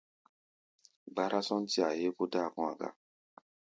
Gbárá-sɔ́ntí-a héé kó dáa kɔ̧́-a̧ ga.